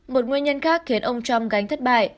một nguyên nhân khác khiến ông trump gánh thất bại